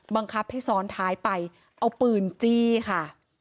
บังคับให้ซ้อนท้ายไปเอาปืนจี้ค่ะ